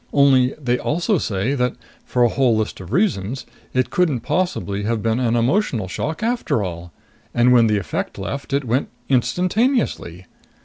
Only they also say that for a whole list of reasons it couldn't possibly have been an emotional shock after all! And when the effect left, it went instantaneously.